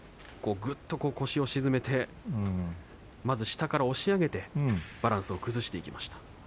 腰を沈めて下から押し上げてバランスを崩していきました。